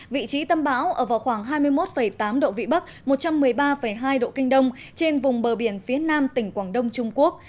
vị trí tâm bão ở vào khoảng hai mươi một tám độ vĩ bắc một trăm một mươi ba hai độ kinh đông trên vùng bờ biển phía nam tỉnh quảng đông trung quốc